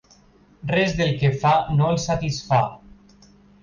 Res del que fa no el satisfà.